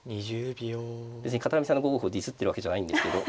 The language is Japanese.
別に片上さんの５五歩をディスってるわけじゃないんですけど。